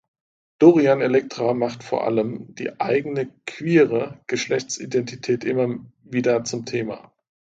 Dorian Electra macht vor allem die eigene queere Geschlechtsidentität immer wieder zum Thema.